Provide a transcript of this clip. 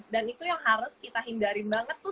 dan itu yang harus kita hindarin banget tuh